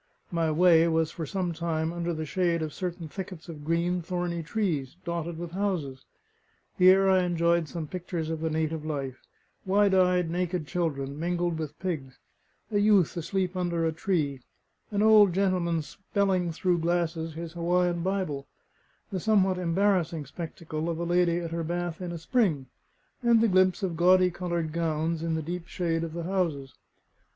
My way was for some time under the shade of certain thickets of green, thorny trees, dotted with houses. Here I enjoyed some pictures of the native life: wide eyed, naked children, mingled with pigs; a youth asleep under a tree; an old gentleman spelling through glasses his Hawaiian Bible; the somewhat embarrassing spectacle of a lady at her bath in a spring; and the glimpse of gaudy coloured gowns in the deep shade of the houses.